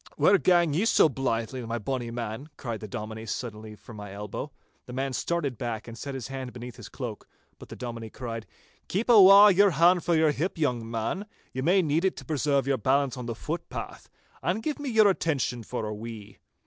'Where gang ye so blythe, my bonny man?' cried the Dominie suddenly from my elbow. The man started back, and set his hand beneath his cloak, but the Dominie cried,— 'Keep awa' your hand frae your hip, young man—ye may need it to preserve your balance on the footpath—and give me your attention for a wee.